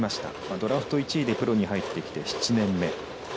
ドラフト１位でプロに入ってきて７年目。